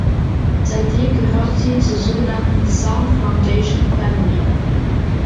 Seitdem gehört sie zur sogenannten Sound Foundation Family.